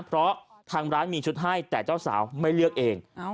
เพราะทางร้านมีชุดให้แต่เจ้าสาวไม่เลือกเอง